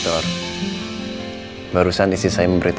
yaudah saya ke kamar ya